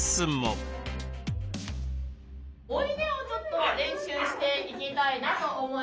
「おいで」をちょっと練習していきたいなと思いますね。